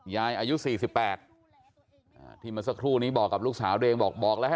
ยายอายุ๔๘ที่มาสักครู่นี้บอกกับลูกสาวเด็ก